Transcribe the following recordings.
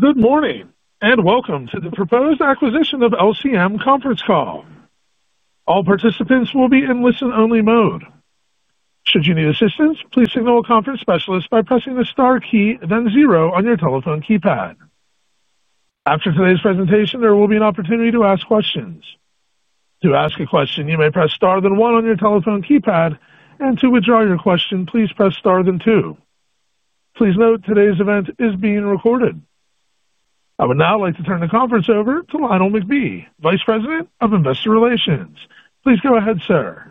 Good morning and welcome to the proposed acquisition of LCM conference call. All participants will be in listen-only mode. Should you need assistance, please signal a conference specialist by pressing the star key, then zero on your telephone keypad. After today's presentation, there will be an opportunity to ask questions. To ask a question, you may press star then one on your telephone keypad, and to withdraw your question, please press star then two. Please note today's event is being recorded. I would now like to turn the conference over to Lionel McBee, Vice President of Investor Relations. Please go ahead, sir.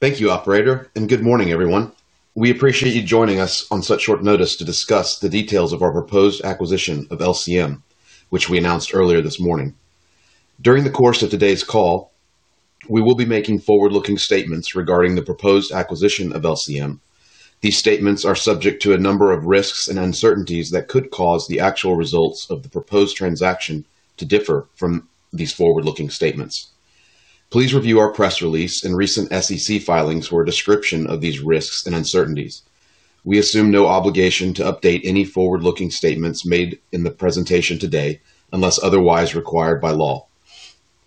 Thank you, Operator, and good morning, everyone. We appreciate you joining us on such short notice to discuss the details of our proposed acquisition of LCM, which we announced earlier this morning. During the course of today's call, we will be making forward-looking statements regarding the proposed acquisition of LCM. These statements are subject to a number of risks and uncertainties that could cause the actual results of the proposed transaction to differ from these forward-looking statements. Please review our press release and recent SEC filings for a description of these risks and uncertainties. We assume no obligation to update any forward-looking statements made in the presentation today unless otherwise required by law.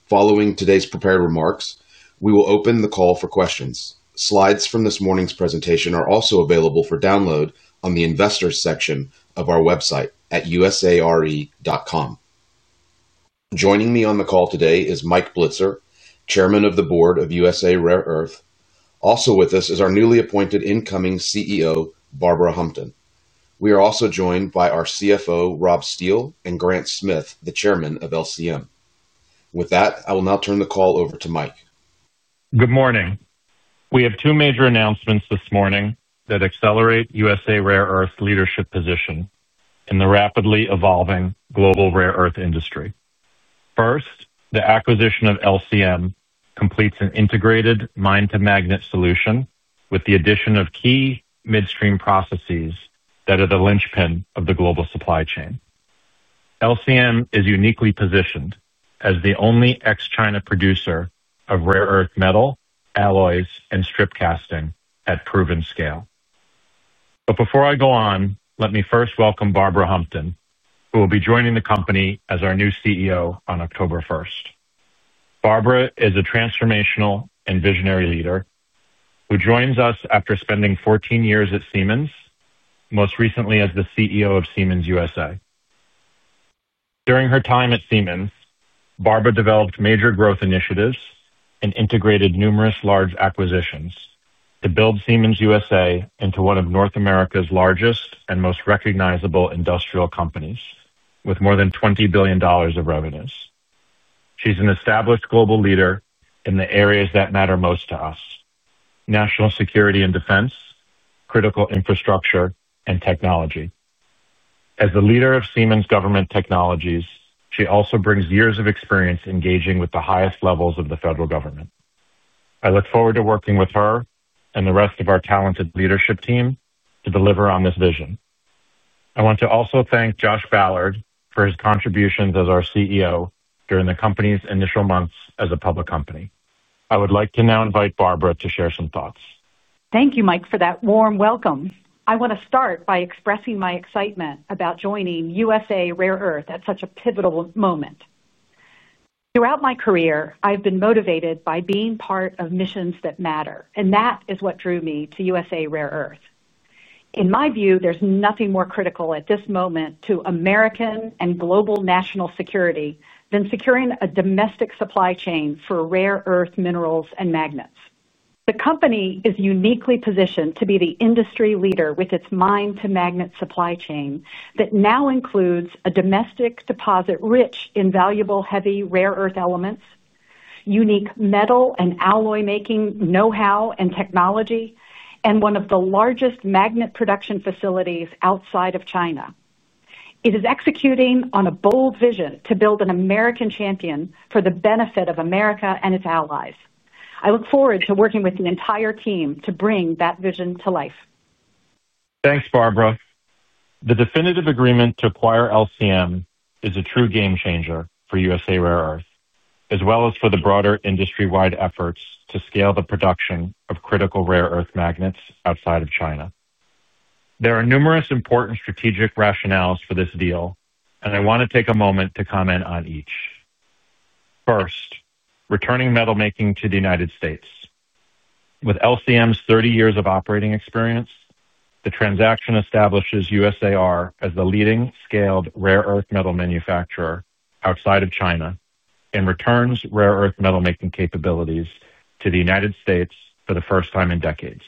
Following today's prepared remarks, we will open the call for questions. Slides from this morning's presentation are also available for download on the Investors section of our website at usare.com. Joining me on the call today is Mike Blitzer, Chairman of the Board of USA Rare Earth. Also with us is our newly appointed incoming CEO, Barbara Humton. We are also joined by our CFO, Rob Steele, and Grant Smith, the Chairman of LCM. With that, I will now turn the call over to Mike. Good morning. We have two major announcements this morning that accelerate USA Rare Earth's leadership position in the rapidly evolving global rare earth industry. First, the acquisition of LCM completes an integrated mine-to-magnet solution with the addition of key midstream processes that are the linchpin of the global supply chain. LCM is uniquely positioned as the only ex-China producer of rare earth metal, alloys, and strip casting at proven scale. Before I go on, let me first welcome Barbara Humton, who will be joining the company as our new CEO on October 1. Barbara is a transformational and visionary leader who joins us after spending 14 years at Siemens, most recently as the CEO of Siemens USA. During her time at Siemens, Barbara developed major growth initiatives and integrated numerous large acquisitions to build Siemens USA into one of North America's largest and most recognizable industrial companies with more than $20 billion of revenues. She's an established global leader in the areas that matter most to us: national security and defense, critical infrastructure, and technology. As the leader of Siemens Government Technologies, she also brings years of experience engaging with the highest levels of the federal government. I look forward to working with her and the rest of our talented leadership team to deliver on this vision. I want to also thank Josh Ballard for his contributions as our CEO during the company's initial months as a public company. I would like to now invite Barbara to share some thoughts. Thank you, Mike, for that warm welcome. I want to start by expressing my excitement about joining USA Rare Earth at such a pivotal moment. Throughout my career, I've been motivated by being part of missions that matter, and that is what drew me to USA Rare Earth. In my view, there's nothing more critical at this moment to American and global national security than securing a domestic supply chain for rare earth minerals and magnets. The company is uniquely positioned to be the industry leader with its mine-to-magnet supply chain that now includes a domestic deposit rich in valuable heavy rare earth elements, unique metal and alloy making know-how and technology, and one of the largest magnet production facilities outside of China. It is executing on a bold vision to build an American champion for the benefit of America and its allies. I look forward to working with an entire team to bring that vision to life. Thanks, Barbara. The definitive agreement to acquire LCM is a true game changer for USA Rare Earth, as well as for the broader industry-wide efforts to scale the production of critical rare earth magnets outside of China. There are numerous important strategic rationales for this deal, and I want to take a moment to comment on each. First, returning metal making to the United States. With LCM's 30 years of operating experience, the transaction establishes USA Rare Earth as the leading scaled rare earth metal manufacturer outside of China and returns rare earth metal making capabilities to the United States for the first time in decades.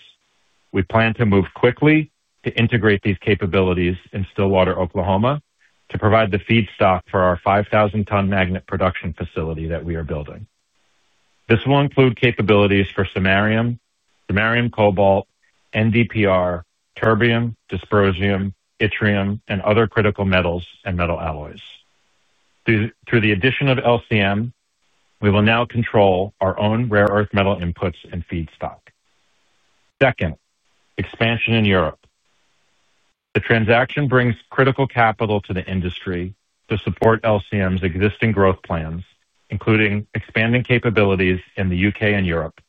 We plan to move quickly to integrate these capabilities in Stillwater, Oklahoma, to provide the feedstock for our 5,000-ton magnet production facility that we are building. This will include capabilities for samarium, samarium cobalt, NdFeB, terbium, dysprosium, yttrium, and other critical metals and metal alloys. Through the addition of LCM, we will now control our own rare earth metal inputs and feedstock. Second, expansion in Europe. The transaction brings critical capital to the industry to support LCM's existing growth plans, including expanding capabilities in the UK and Europe,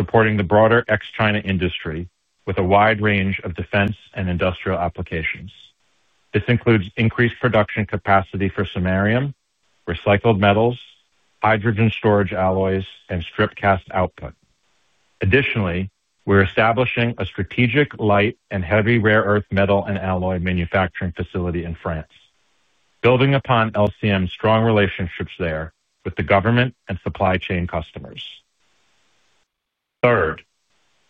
supporting the broader ex-China industry with a wide range of defense and industrial applications. This includes increased production capacity for samarium, recycled metals, hydrogen storage alloys, and strip cast output. Additionally, we're establishing a strategic light and heavy rare earth metal and alloy manufacturing facility in France, building upon LCM's strong relationships there with the government and supply chain customers. Third,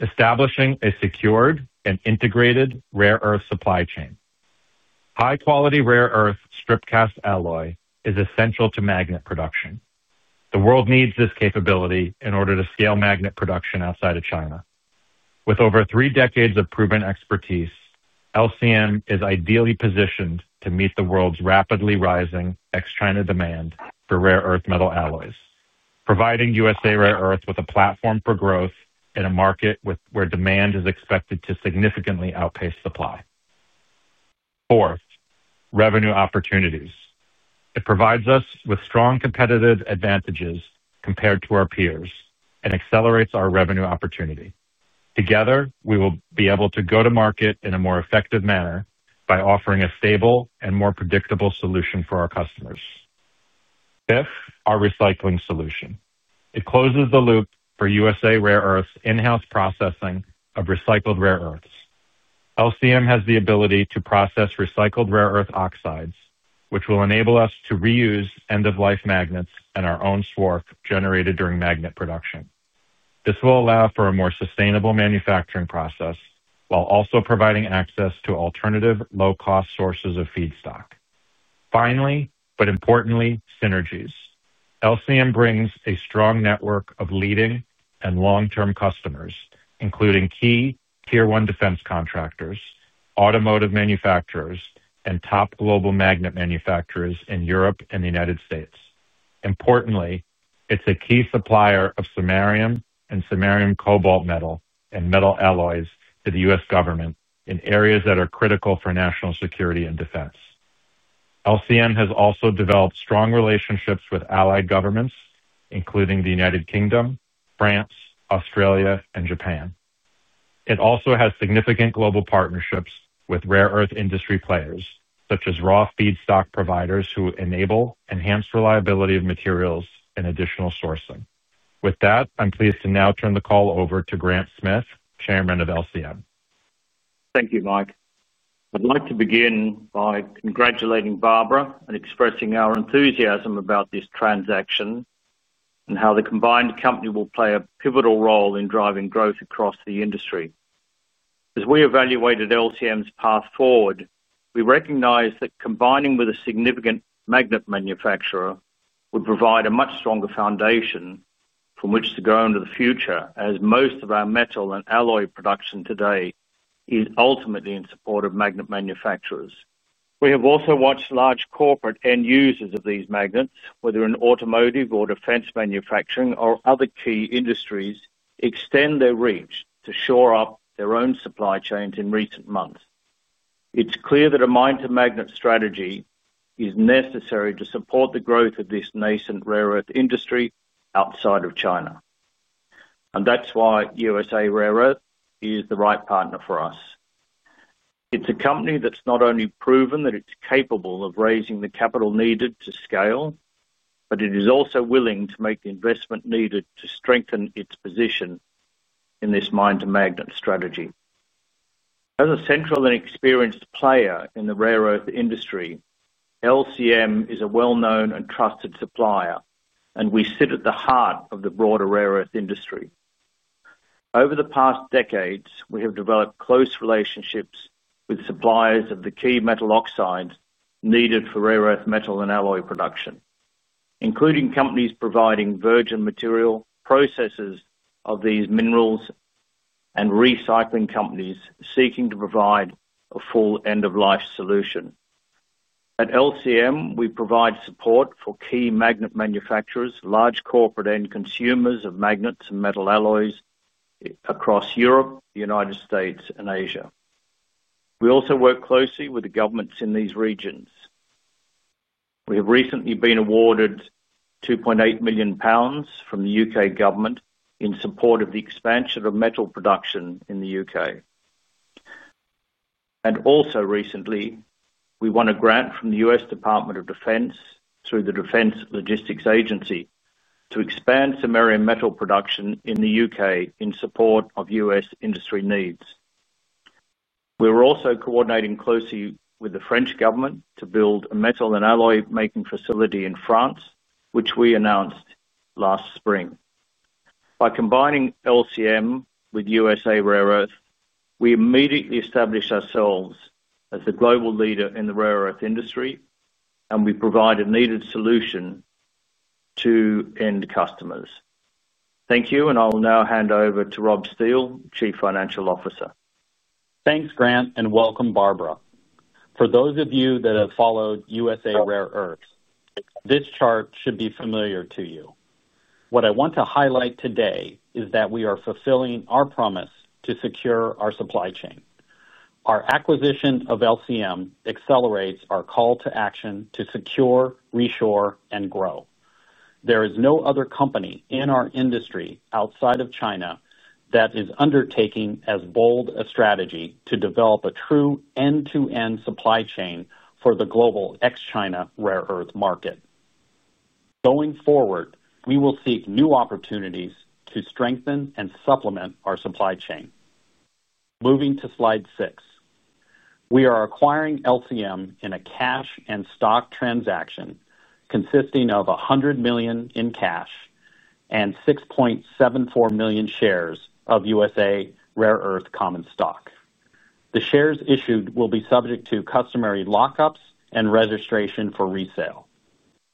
establishing a secured and integrated rare earth supply chain. High-quality rare earth strip cast alloy is essential to magnet production. The world needs this capability in order to scale magnet production outside of China. With over three decades of proven expertise, LCM is ideally positioned to meet the world's rapidly rising ex-China demand for rare earth metal alloys, providing USA Rare Earth with a platform for growth in a market where demand is expected to significantly outpace supply. Fourth, revenue opportunities. It provides us with strong competitive advantages compared to our peers and accelerates our revenue opportunity. Together, we will be able to go to market in a more effective manner by offering a stable and more predictable solution for our customers. Fifth, our recycling solution. It closes the loop for USA Rare Earth's in-house processing of recycled rare earths. LCM has the ability to process recycled rare earth oxides, which will enable us to reuse end-of-life magnets and our own swarth generated during magnet production. This will allow for a more sustainable manufacturing process while also providing access to alternative low-cost sources of feedstock. Finally, but importantly, synergies. LCM brings a strong network of leading and long-term customers, including key Tier 1 defense contractors, automotive manufacturers, and top global magnet manufacturers in Europe and the United States. Importantly, it's a key supplier of samarium and samarium cobalt metal and metal alloys to the U.S. government in areas that are critical for national security and defense. LCM has also developed strong relationships with allied governments, including the United Kingdom, France, Australia, and Japan. It also has significant global partnerships with rare earth industry players, such as raw feedstock providers who enable enhanced reliability of materials and additional sourcing. With that, I'm pleased to now turn the call over to Grant Smith, Chairman of LCM. Thank you, Mike. I'd like to begin by congratulating Barbara and expressing our enthusiasm about this transaction and how the combined company will play a pivotal role in driving growth across the industry. As we evaluated LCM's path forward, we recognize that combining with a significant magnet manufacturer would provide a much stronger foundation from which to go into the future, as most of our metal and alloy production today is ultimately in support of magnet manufacturers. We have also watched large corporate end users of these magnets, whether in automotive or defense manufacturing or other key industries, extend their reach to shore up their own supply chains in recent months. It's clear that a mine-to-magnet strategy is necessary to support the growth of this nascent rare earth industry outside of China. That's why USA Rare Earth is the right partner for us. It's a company that's not only proven that it's capable of raising the capital needed to scale, but it is also willing to make the investment needed to strengthen its position in this mine-to-magnet strategy. As a central and experienced player in the rare earth industry, LCM is a well-known and trusted supplier, and we sit at the heart of the broader rare earth industry. Over the past decades, we have developed close relationships with suppliers of the key metal oxides needed for rare earth metal and alloy production, including companies providing virgin material, processors of these minerals, and recycling companies seeking to provide a full end-of-life solution. At LCM, we provide support for key magnet manufacturers, large corporate end consumers of magnets and metal alloys across Europe, the United States, and Asia. We also work closely with the governments in these regions. We have recently been awarded £2.8 million from the UK government in support of the expansion of metal production in the UK. Also recently, we won a grant from the U.S. Department of Defense through the Defense Logistics Agency to expand samarium metal production in the UK in support of U.S. industry needs. We're also coordinating closely with the French government to build a metal and alloy making facility in France, which we announced last spring. By combining LCM with USA Rare Earth, we immediately establish ourselves as the global leader in the rare earth industry, and we provide a needed solution to end customers. Thank you, and I'll now hand over to Rob Steele, Chief Financial Officer. Thanks, Grant, and welcome, Barbara. For those of you that have followed USA Rare Earth, this chart should be familiar to you. What I want to highlight today is that we are fulfilling our promise to secure our supply chain. Our acquisition of LCM accelerates our call to action to secure, reshore, and grow. There is no other company in our industry outside of China that is undertaking as bold a strategy to develop a true end-to-end supply chain for the global ex-China rare earth market. Going forward, we will seek new opportunities to strengthen and supplement our supply chain. Moving to slide six, we are acquiring LCM in a cash and stock transaction consisting of $100 million in cash and 6.74 million shares of USA Rare Earth common stock. The shares issued will be subject to customary lockups and registration for resale.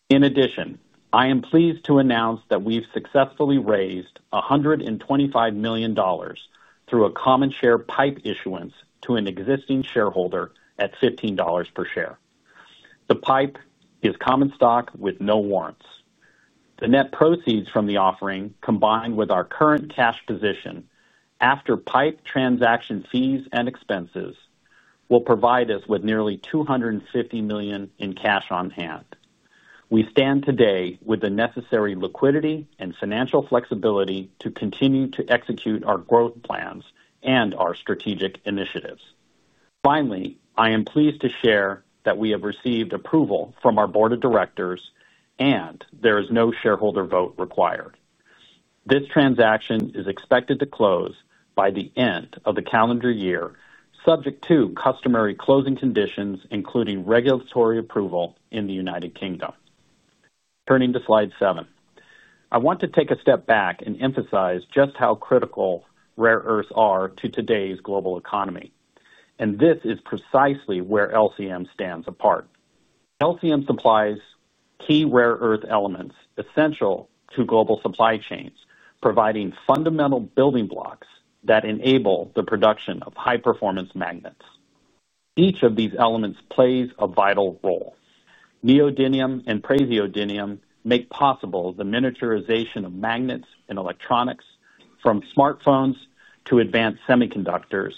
In addition, I am pleased to announce that we've successfully raised $125 million through a common share PIPE issuance to an existing shareholder at $15 per share. The PIPE is common stock with no warrants. The net proceeds from the offering, combined with our current cash position after PIPE transaction fees and expenses, will provide us with nearly $250 million in cash on hand. We stand today with the necessary liquidity and financial flexibility to continue to execute our growth plans and our strategic initiatives. Finally, I am pleased to share that we have received approval from our board of directors, and there is no shareholder vote required. This transaction is expected to close by the end of the calendar year, subject to customary closing conditions, including regulatory approval in the United Kingdom. Turning to slide seven, I want to take a step back and emphasize just how critical rare earths are to today's global economy. This is precisely where LCM stands apart. LCM supplies key rare earth elements essential to global supply chains, providing fundamental building blocks that enable the production of high-performance magnets. Each of these elements plays a vital role. Neodymium and praseodymium make possible the miniaturization of magnets and electronics from smartphones to advanced semiconductors.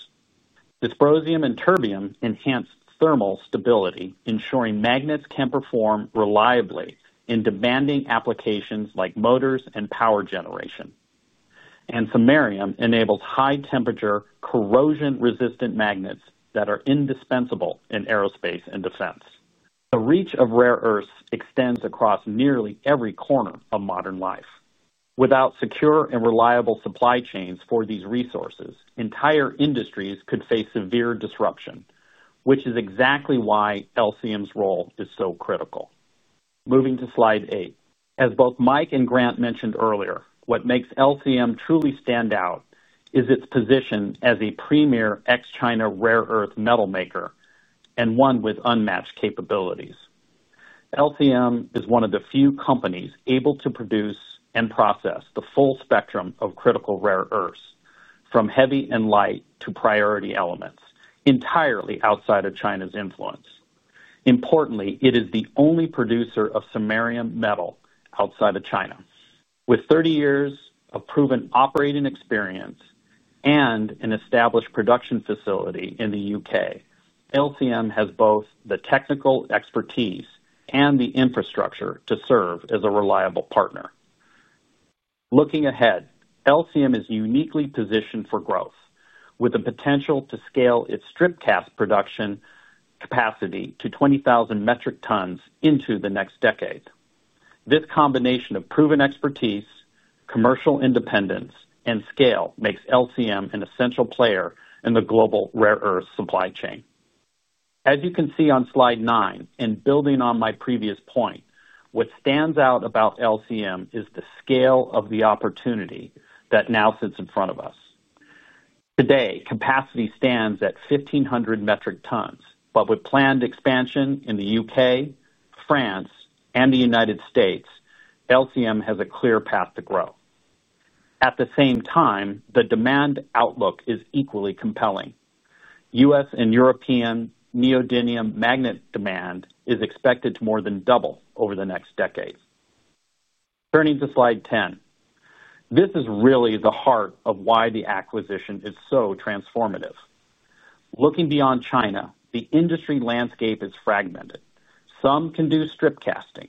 Dysprosium and terbium enhance thermal stability, ensuring magnets can perform reliably in demanding applications like motors and power generation. Samarium enables high-temperature, corrosion-resistant magnets that are indispensable in aerospace and defense. The reach of rare earths extends across nearly every corner of modern life. Without secure and reliable supply chains for these resources, entire industries could face severe disruption, which is exactly why LCM's role is so critical. Moving to slide eight, as both Mike and Grant mentioned earlier, what makes LCM truly stand out is its position as a premier ex-China rare earth metal maker and one with unmatched capabilities. LCM is one of the few companies able to produce and process the full spectrum of critical rare earths, from heavy and light to priority elements, entirely outside of China's influence. Importantly, it is the only producer of samarium metal outside of China. With 30 years of proven operating experience and an established production facility in the UK, LCM has both the technical expertise and the infrastructure to serve as a reliable partner. Looking ahead, LCM is uniquely positioned for growth, with the potential to scale its strip cast production capacity to 20,000 metric tons into the next decade. This combination of proven expertise, commercial independence, and scale makes LCM an essential player in the global rare earth supply chain. As you can see on slide nine, and building on my previous point, what stands out about LCM is the scale of the opportunity that now sits in front of us. Today, capacity stands at 1,500 metric tons, but with planned expansion in the UK, France, and the United States, LCM has a clear path to grow. At the same time, the demand outlook is equally compelling. U.S. and European neodymium magnet demand is expected to more than double over the next decade. Turning to slide ten, this is really the heart of why the acquisition is so transformative. Looking beyond China, the industry landscape is fragmented. Some can do strip casting,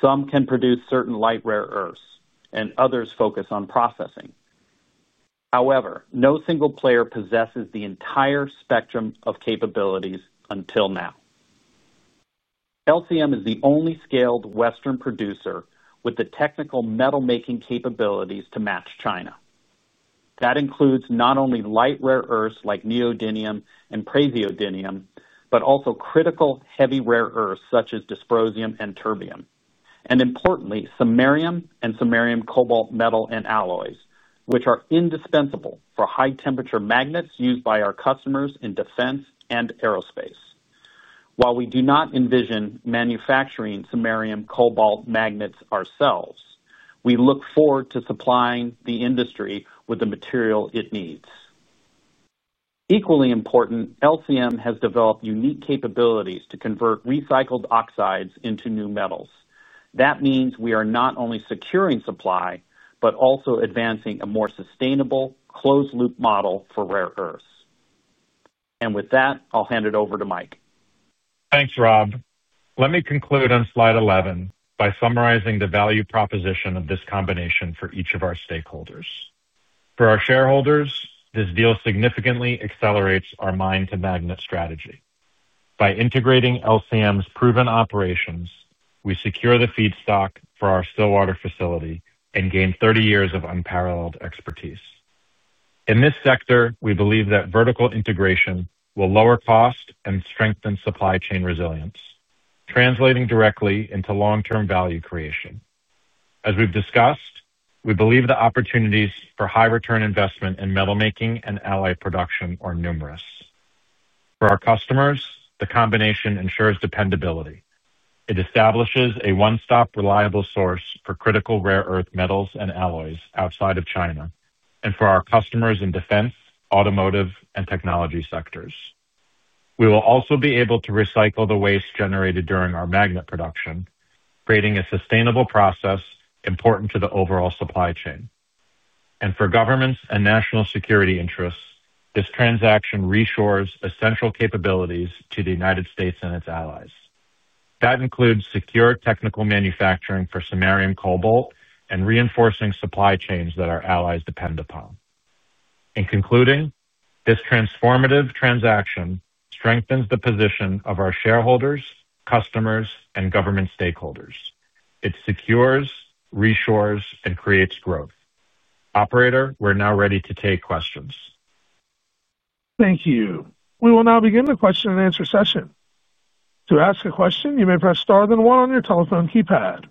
some can produce certain light rare earths, and others focus on processing. However, no single player possesses the entire spectrum of capabilities until now. LCM is the only scaled Western producer with the technical metal making capabilities to match China. That includes not only light rare earths like neodymium and praseodymium, but also critical heavy rare earths such as dysprosium and terbium, and importantly, samarium and samarium cobalt metal and alloys, which are indispensable for high-temperature magnets used by our customers in defense and aerospace. While we do not envision manufacturing samarium cobalt magnets ourselves, we look forward to supplying the industry with the material it needs. Equally important, LCM has developed unique capabilities to convert recycled oxides into new metals. That means we are not only securing supply, but also advancing a more sustainable, closed-loop model for rare earths. I'll hand it over to Mike. Thanks, Rob. Let me conclude on slide 11 by summarizing the value proposition of this combination for each of our stakeholders. For our shareholders, this deal significantly accelerates our mine-to-magnet strategy. By integrating LCM's proven operations, we secure the feedstock for our Stillwater facility and gain 30 years of unparalleled expertise. In this sector, we believe that vertical integration will lower cost and strengthen supply chain resilience, translating directly into long-term value creation. As we've discussed, we believe the opportunities for high-return investment in metal making and alloy production are numerous. For our customers, the combination ensures dependability. It establishes a one-stop reliable source for critical rare earth metals and alloys outside of China, and for our customers in defense, automotive, and technology sectors. We will also be able to recycle the waste generated during our magnet production, creating a sustainable process important to the overall supply chain. For governments and national security interests, this transaction reshores essential capabilities to the United States and its allies. That includes secure technical manufacturing for samarium cobalt and reinforcing supply chains that our allies depend upon. In concluding, this transformative transaction strengthens the position of our shareholders, customers, and government stakeholders. It secures, reshores, and creates growth. Operator, we're now ready to take questions. Thank you. We will now begin the question and answer session. To ask a question, you may press star then one on your telephone keypad.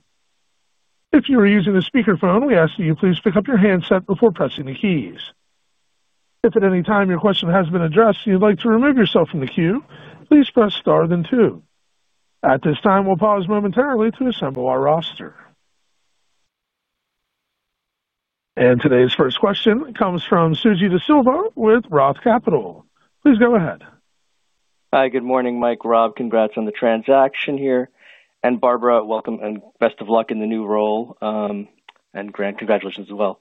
If you are using a speakerphone, we ask that you please pick up your handset before pressing the keys. If at any time your question has been addressed and you'd like to remove yourself from the queue, please press star then two. At this time, we'll pause momentarily to assemble our roster. Today's first question comes from Suzy DeSilva with Roth Capital. Please go ahead. Hi, good morning, Mike, Rob. Congrats on the transaction here. Barbara, welcome and best of luck in the new role. Grant, congratulations as well.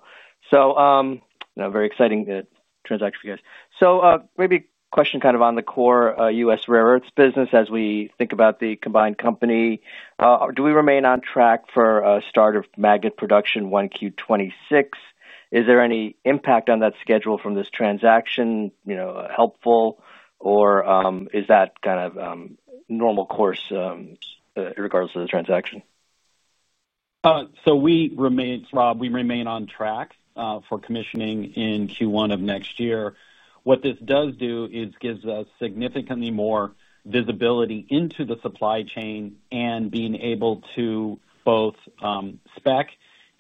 Very exciting transaction for you guys. Maybe a question kind of on the core USA Rare Earth business as we think about the combined company. Do we remain on track for a start of magnet production Q1 2026? Is there any impact on that schedule from this transaction? Is it helpful, or is that kind of normal course regardless of the transaction? We remain, Rob, we remain on track for commissioning in Q1 of next year. What this does do is gives us significantly more visibility into the supply chain and being able to both spec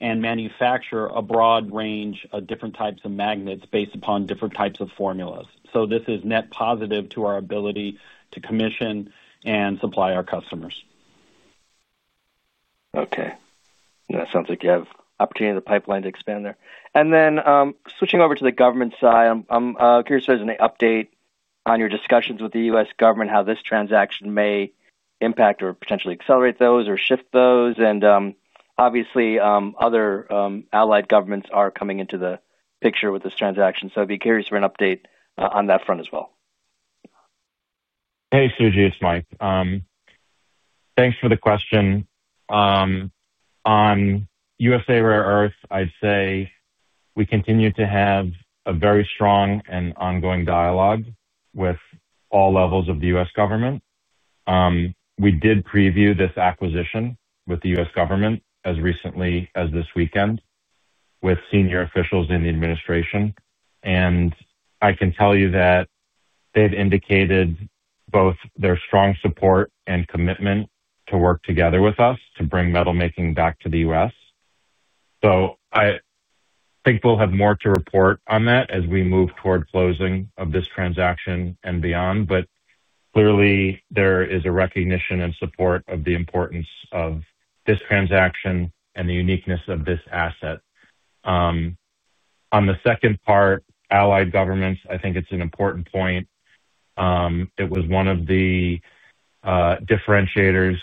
and manufacture a broad range of different types of magnets based upon different types of formulas. This is net positive to our ability to commission and supply our customers. Okay. That sounds like you have opportunity in the pipeline to expand there. Switching over to the government side, I'm curious if there's any update on your discussions with the U.S. government, how this transaction may impact or potentially accelerate those or shift those. Obviously, other allied governments are coming into the picture with this transaction. I'd be curious for an update on that front as well. Hey, Suji, it's Mike. Thanks for the question. On USA Rare Earth, I'd say we continue to have a very strong and ongoing dialogue with all levels of the U.S. government. We did preview this acquisition with the U.S. government as recently as this weekend with senior officials in the administration. I can tell you that they've indicated both their strong support and commitment to work together with us to bring metal making back to the U.S. I think we'll have more to report on that as we move toward closing of this transaction and beyond. There is a recognition and support of the importance of this transaction and the uniqueness of this asset. On the second part, allied governments, I think it's an important point. It was one of the differentiators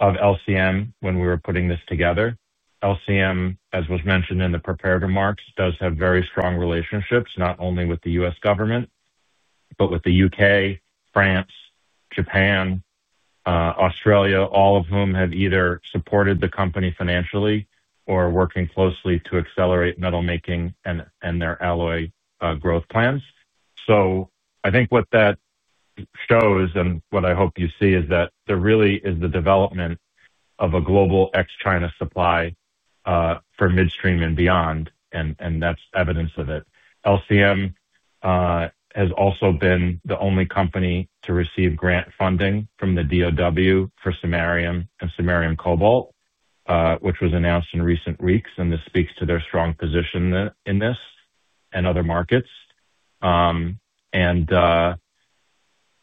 of LCM when we were putting this together. LCM, as was mentioned in the prepared remarks, does have very strong relationships not only with the U.S. government, but with the UK, France, Japan, Australia, all of whom have either supported the company financially or are working closely to accelerate metal making and their alloy growth plans. I think what that shows and what I hope you see is that there really is the development of a global ex-China supply for midstream and beyond, and that's evidence of it. LCM has also been the only company to receive grant funding from the DOW for samarium and samarium cobalt, which was announced in recent weeks, and this speaks to their strong position in this and other markets.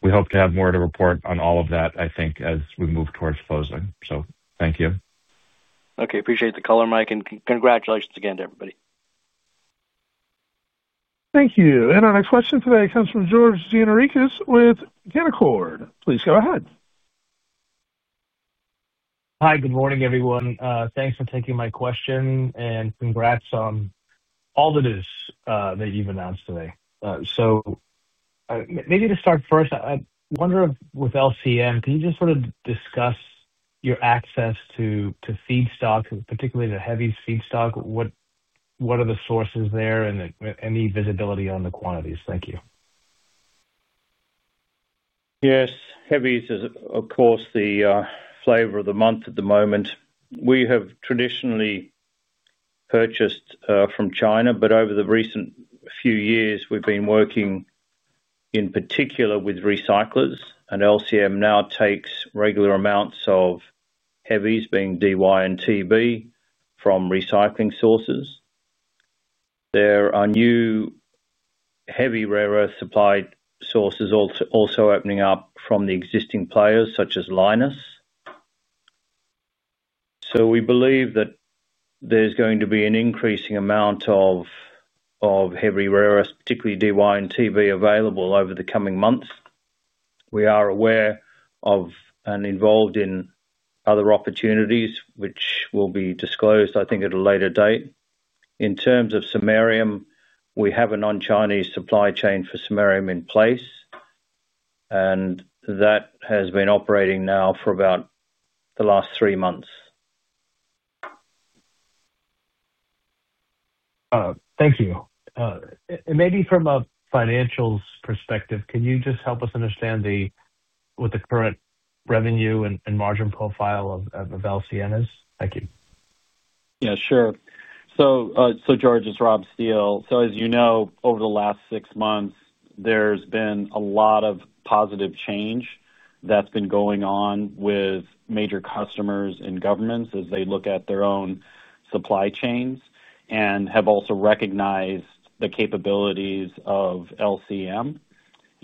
We hope to have more to report on all of that, I think, as we move towards closing. Thank you. Okay, appreciate the color, Mike, and congratulations again to everybody. Thank you. Our next question today comes from George De Enriques with Canaccord. Please go ahead. Hi, good morning, everyone. Thanks for taking my question and congrats on all the news that you've announced today. To start first, I wonder if with LCM, can you just sort of discuss your access to feedstock, particularly the heavy feedstock? What are the sources there and any visibility on the quantities? Thank you. Yes, heavies is, of course, the flavor of the month at the moment. We have traditionally purchased from China, but over the recent few years, we've been working in particular with recyclers, and LCM now takes regular amounts of heavies, being Dy and Tb, from recycling sources. There are new heavy rare earth supply sources also opening up from the existing players such as Lynas. We believe that there's going to be an increasing amount of heavy rare earths, particularly Dy and Tb, available over the coming months. We are aware of and involved in other opportunities, which will be disclosed, I think, at a later date. In terms of samarium, we have a non-Chinese supply chain for samarium in place, and that has been operating now for about the last three months. Thank you. Maybe from a financials perspective, can you just help us understand what the current revenue and margin profile of LCM is? Thank you. Yeah, sure. As you know, over the last six months, there's been a lot of positive change that's been going on with major customers and governments as they look at their own supply chains and have also recognized the capabilities of LCM.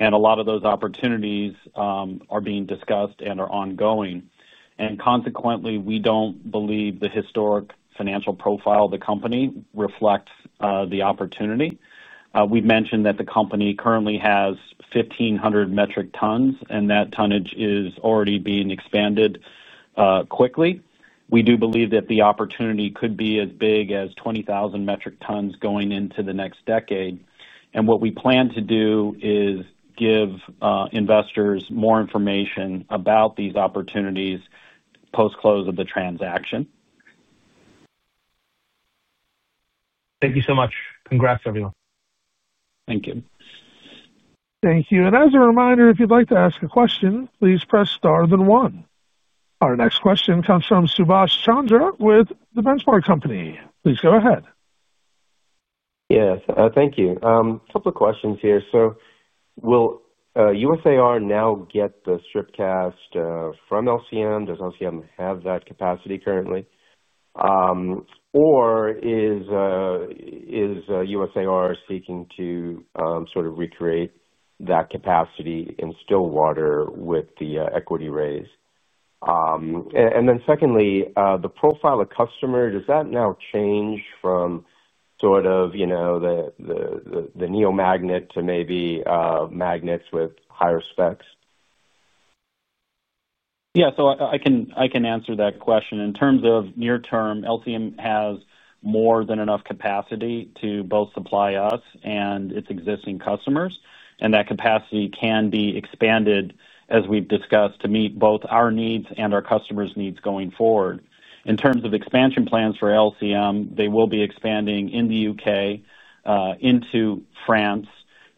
A lot of those opportunities are being discussed and are ongoing. Consequently, we don't believe the historic financial profile of the company reflects the opportunity. We mentioned that the company currently has 1,500 metric tons, and that tonnage is already being expanded quickly. We do believe that the opportunity could be as big as 20,000 metric tons going into the next decade. What we plan to do is give investors more information about these opportunities post-close of the transaction. Thank you so much. Congrats, everyone. Thank you. Thank you. As a reminder, if you'd like to ask a question, please press star then one. Our next question comes from Subash Chandra with The Benchmark Company. Please go ahead. Yes, thank you. A couple of questions here. Will USA Rare Earth now get the strip cast from LCM? Does LCM have that capacity currently? Is USA Rare Earth seeking to sort of recreate that capacity in Stillwater with the equity raise? Secondly, the profile of customer, does that now change from sort of, you know, the neodymium magnet to maybe magnets with higher specs? Yeah, I can answer that question. In terms of near-term, Less Common Metals (LCM) has more than enough capacity to both supply us and its existing customers. That capacity can be expanded, as we've discussed, to meet both our needs and our customers' needs going forward. In terms of expansion plans for LCM, they will be expanding in the UK, into France,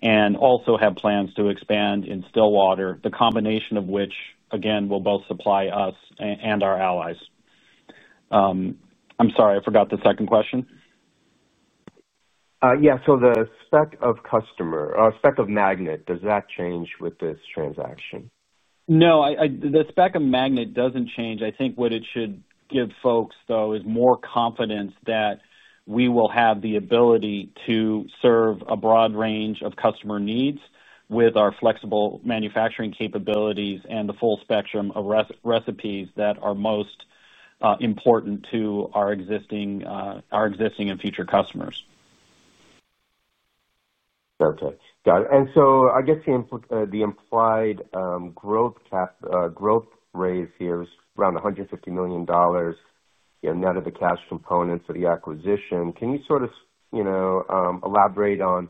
and also have plans to expand in Stillwater, the combination of which, again, will both supply us and our allies. I'm sorry, I forgot the second question. Yeah, does the spec of customer, spec of magnet, change with this transaction? No, the spec of magnet doesn't change. I think what it should give folks, though, is more confidence that we will have the ability to serve a broad range of customer needs with our flexible manufacturing capabilities and the full spectrum of recipes that are most important to our existing and future customers. Okay, got it. I guess the implied growth raise here is around $150 million, you know, net of the cash components of the acquisition. Can you sort of elaborate on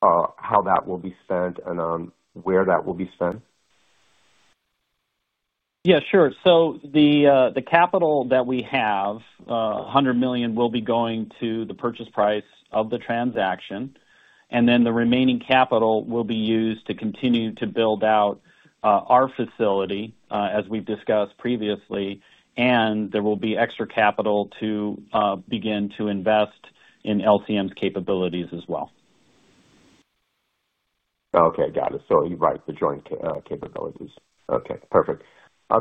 how that will be spent and where that will be spent? Yeah, sure. The capital that we have, $100 million, will be going to the purchase price of the transaction. The remaining capital will be used to continue to build out our facility, as we've discussed previously. There will be extra capital to begin to invest in LCM's capabilities as well. Okay, got it. You're right, the joint capabilities. Okay, perfect.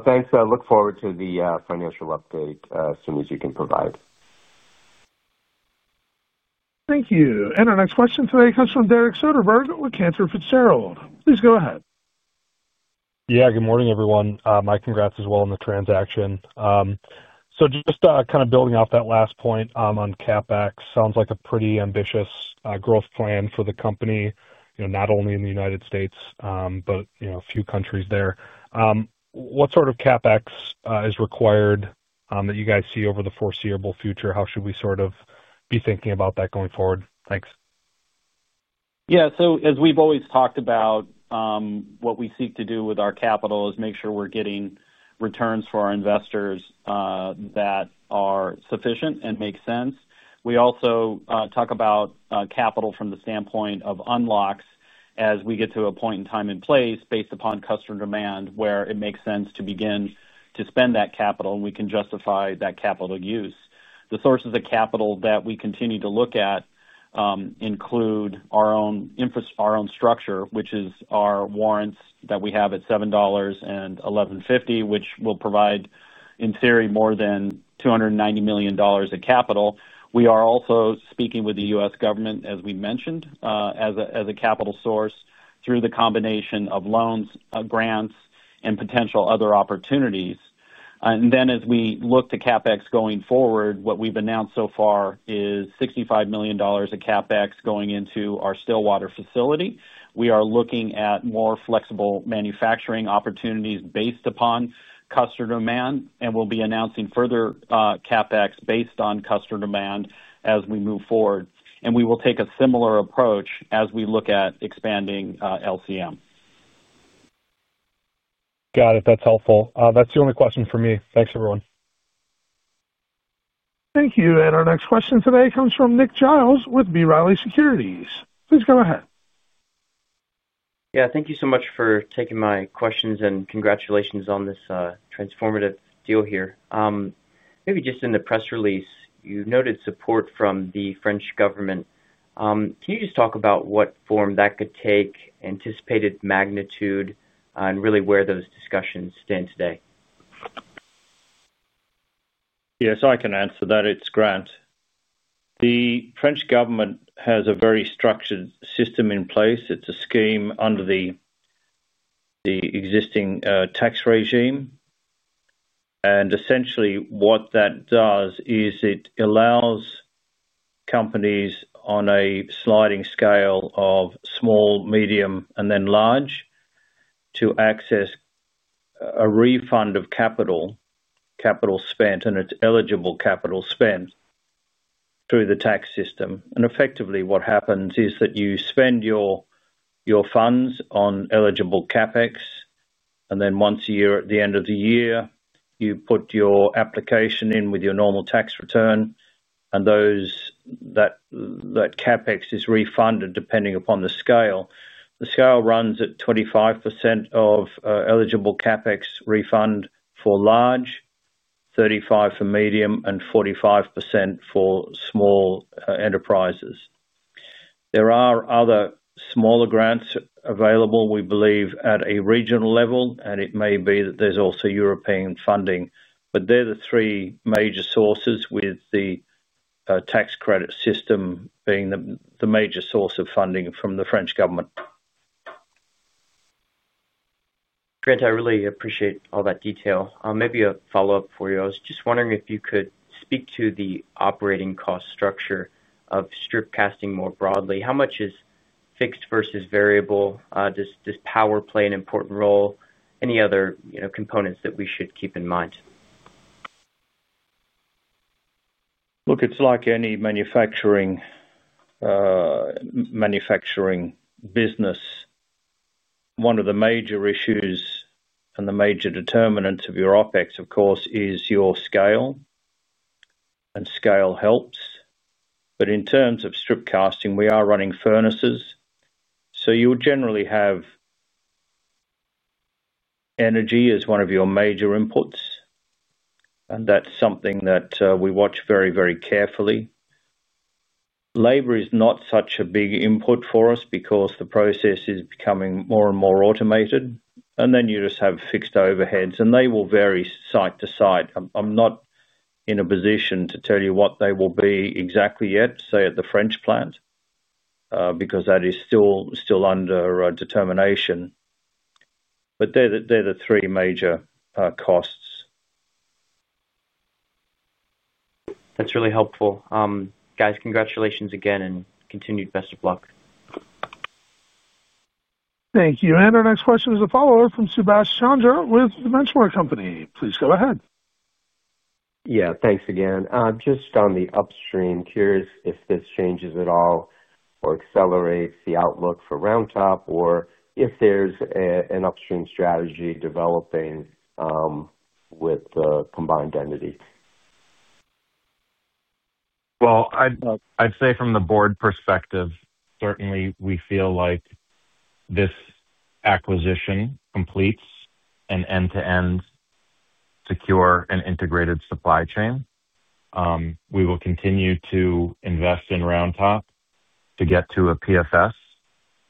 Thanks. I look forward to the financial update as soon as you can provide. Thank you. Our next question today comes from Derek Soderbergh with Cantor Fitzgerald. Please go ahead. Good morning, everyone. My congrats as well on the transaction. Just kind of building off that last point on CapEx, sounds like a pretty ambitious growth plan for the company, not only in the United States, but a few countries there. What sort of CapEx is required that you guys see over the foreseeable future? How should we sort of be thinking about that going forward? Thanks. As we've always talked about, what we seek to do with our capital is make sure we're getting returns for our investors that are sufficient and make sense. We also talk about capital from the standpoint of unlocks as we get to a point in time and place based upon customer demand where it makes sense to begin to spend that capital. We can justify that capital use. The sources of capital that we continue to look at include our own structure, which is our warrants that we have at $7.1150, which will provide, in theory, more than $290 million of capital. We are also speaking with the U.S. government, as we mentioned, as a capital source through the combination of loans, grants, and potential other opportunities. As we look to CapEx going forward, what we've announced so far is $65 million of CapEx going into our Stillwater facility. We are looking at more flexible manufacturing opportunities based upon customer demand, and we'll be announcing further CapEx based on customer demand as we move forward. We will take a similar approach as we look at expanding Less Common Metals. Got it. That's helpful. That's the only question for me. Thanks, everyone. Thank you. Our next question today comes from Nick Giles with B Riley Securities. Please go ahead. Thank you so much for taking my questions and congratulations on this transformative deal here. Maybe just in the press release, you noted support from the French government. Can you just talk about what form that could take, anticipated magnitude, and really where those discussions stand today? Yes, I can answer that. It's Grant. The French government has a very structured system in place. It's a scheme under the existing tax regime. Essentially, what that does is it allows companies on a sliding scale of small, medium, and then large to access a refund of capital spent and its eligible capital spent through the tax system. Effectively, what happens is that you spend your funds on eligible CapEx, and then once a year at the end of the year, you put your application in with your normal tax return, and that CapEx is refunded depending upon the scale. The scale runs at 25% of eligible CapEx refund for large, 35% for medium, and 45% for small enterprises. There are other smaller grants available, we believe, at a regional level, and it may be that there's also European funding, but they're the three major sources with the tax credit system being the major source of funding from the French government. Grant, I really appreciate all that detail. Maybe a follow-up for you. I was just wondering if you could speak to the operating cost structure of strip casting more broadly. How much is fixed versus variable? Does power play an important role? Any other components that we should keep in mind? Look, it's like any manufacturing business. One of the major issues and the major determinants of your OpEx, of course, is your scale, and scale helps. In terms of strip casting, we are running furnaces, so you'll generally have energy as one of your major inputs, and that's something that we watch very, very carefully. Labor is not such a big input for us because the process is becoming more and more automated, and then you just have fixed overheads, and they will vary site to site. I'm not in a position to tell you what they will be exactly yet, say at the French plant, because that is still under determination. They're the three major costs. That's really helpful. Guys, congratulations again and continued best of luck. Thank you. Our next question is a follow-up from Subash Chandra with The Benchmark Company. Please go ahead. Thanks again. Just on the upstream, curious if this changes at all or accelerates the outlook for Roundtop or if there's an upstream strategy developing with the combined entity. From the board perspective, certainly we feel like this acquisition completes an end-to-end secure and integrated supply chain. We will continue to invest in Roundtop to get to a PFS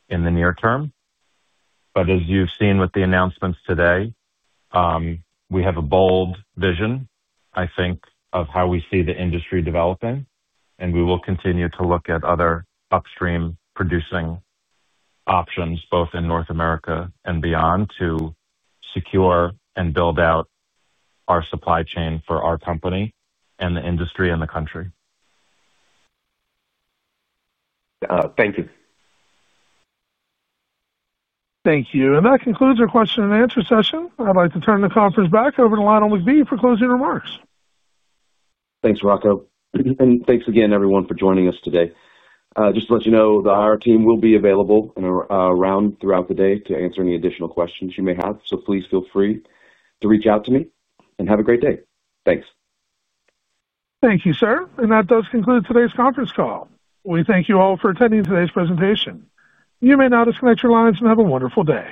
in the near term. As you've seen with the announcements today, we have a bold vision, I think, of how we see the industry developing, and we will continue to look at other upstream producing options, both in North America and beyond, to secure and build out our supply chain for our company and the industry and the country. Thank you. Thank you. That concludes our question and answer session. I'd like to turn the conference back over to Lionel McBee for closing remarks. Thanks, Rocco, and thanks again, everyone, for joining us today. The IR team will be available throughout the day to answer any additional questions you may have. Please feel free to reach out to me and have a great day. Thanks. Thank you, sir. That does conclude today's conference call. We thank you all for attending today's presentation. You may now disconnect your lines and have a wonderful day.